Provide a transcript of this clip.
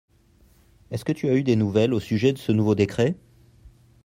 est-ce que tu as eu des nouvelles au sujet de ce nouveau décrêt ?